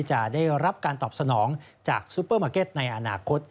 จะได้รับการตอบสนองจากซูเปอร์มาร์เก็ตในอนาคต